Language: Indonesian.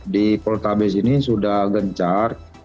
di poltabes ini sudah gencar